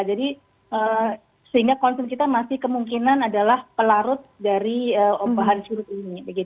jadi sehingga konsumsi kita masih kemungkinan adalah pelarut dari bahan bahan ini